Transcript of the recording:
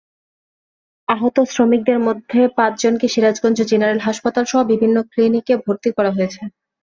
আহত শ্রমিকদের মধ্যে পাঁচজনকে সিরাজগঞ্জ জেনারেল হাসপাতালসহ বিভিন্ন ক্লিনিকে ভর্তি করা হয়েছে।